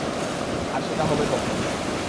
আর সেটা হবে কখন?